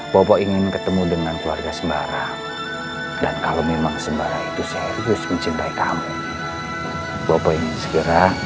bapak ingin ketemu dengan keluarga sembarang dan kalau memang sembara itu serius mencintai kamu bapak ingin segera